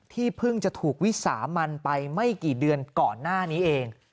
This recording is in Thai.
เพิ่งจะถูกวิสามันไปไม่กี่เดือนก่อนหน้านี้เอง